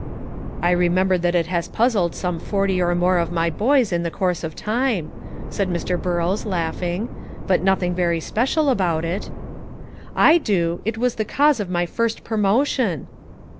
"I remember that it has puzzled some forty or more of my boys in the course of time," said Mr. Burrows, laughing; "but nothing very special about it." "I do; it was the cause of my first promotion."